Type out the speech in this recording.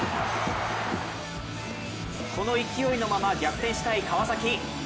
この勢いのまま逆転したい川崎。